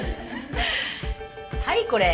はいこれ。